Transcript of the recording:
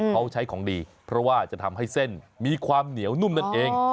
เขาใช้ของดีเพราะว่าจะทำให้เส้นมีความเหนียวนุ่มนั่นเอง